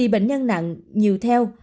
bệnh nhân nặng nhiều theo